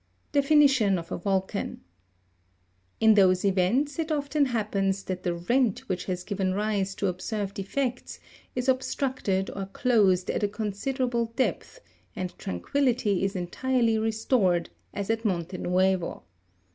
11. Definition of a Volcan. In those events, it often happens that the rent, which has given rise to observed effects, fs obstructed or closed at a considerable depth, and tranquillity is entirely re stored, as 'at Monte nuevo.